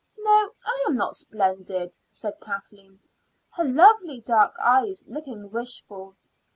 "No, I am not splendid," said Kathleen, her lovely dark eyes looking wistful.